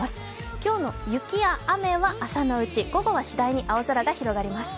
今日の雪や雨は朝のうち、午後はしだいに青空が広がります。